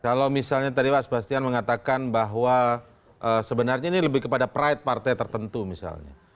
kalau misalnya tadi pak sebastian mengatakan bahwa sebenarnya ini lebih kepada pride partai tertentu misalnya